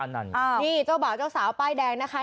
นี่เจ้าบ่าวเจ้าสาวป้ายแดงนะคะ